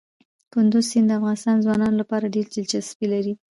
کندز سیند د افغان ځوانانو لپاره ډېره دلچسپي لري.